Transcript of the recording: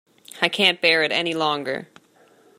I can’t bear it any longer